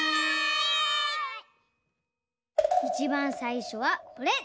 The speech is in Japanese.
いちばんさいしょはこれ！